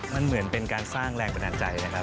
มันเหมือนเป็นการสร้างแรงบันดาลใจนะครับ